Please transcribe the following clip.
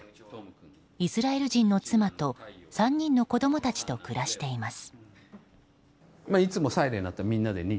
イスラエル人の妻と３人の子供たちと暮らしています。